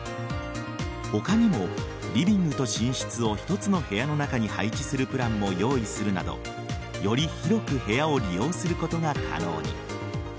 他にも、リビングと寝室を一つの部屋の中に配置するプランも用意するなどより広く部屋を利用することも可能に。